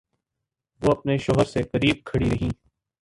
وہ اپنے شوہر سے قریب کھڑی رہی۔